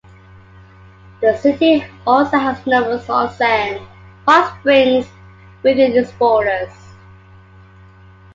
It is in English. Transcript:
The city also has numerous "onsen" hot springs within its borders.